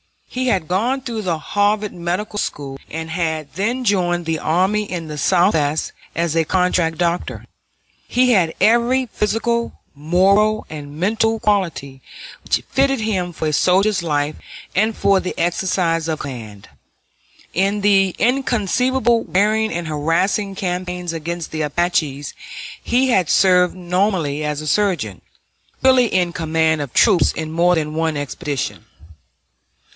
He had gone through the Harvard Medical School, and had then joined the army in the Southwest as a contract doctor. He had every physical, moral, and mental quality which fitted him for a soldier's life and for the exercise of command. In the inconceivably wearing and harassing campaigns against the Apaches he had served nominally as a surgeon, really in command of troops, on more than one expedition.